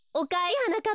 はなかっ